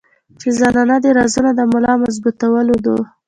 چې زنانه دې روزانه د ملا مضبوطولو دوه